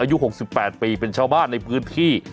อายุ๖๘ปีเป็นชาวบ้านในพื้นที่